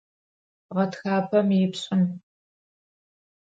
Гъэтхапэм ипшӏым.